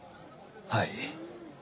はい。